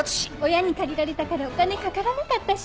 親に借りられたからお金かからなかったし。